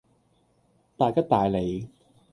大吉大利